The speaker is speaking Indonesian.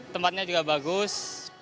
tempatnya juga bagus